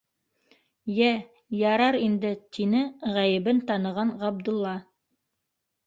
- Йә, ярар инде, - тине ғәйебен таныған Ғабдулла.